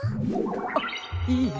あっいえ。